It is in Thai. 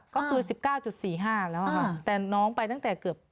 ก็คือสิบเก้าจุดสี่ห้าแล้วอ่ะค่ะแต่น้องไปตั้งแต่เกือบ